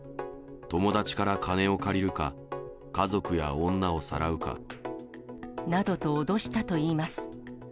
友達から金を借りるか、家族や女をさらうか。などと脅したといいます。